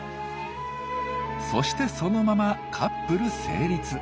そしてそのままカップル成立。